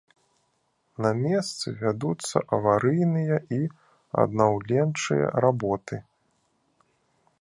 На месцы вядуцца аварыйныя і аднаўленчыя работы.